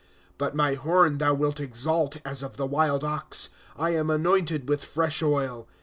1" But my horn thou wilt exalt as of the wild ox ; I am anointed with fresh oil.